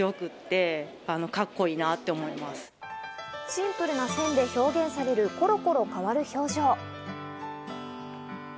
シンプルな線で表現されるコロコロ変わる表情。